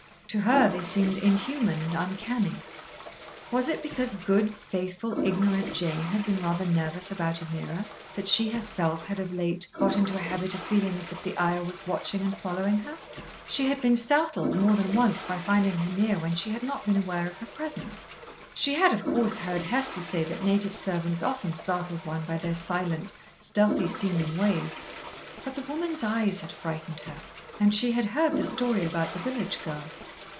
To her they seemed inhuman and uncanny. Was it because good, faithful, ignorant Jane had been rather nervous about Ameerah that she herself had of late got into a habit of feeling as if the Ayah was watching and following her. She had been startled more than once by finding her near when she had not been aware of her presence. She had, of course, heard Hester say that native servants often startled one by their silent, stealthy seeming ways. But the woman's eyes had frightened her. And she had heard the story about the village girl.